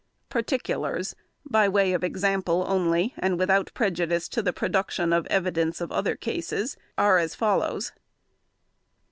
Particulars, by way of example only and without prejudice to the production of evidence of other cases, are as follows: 1.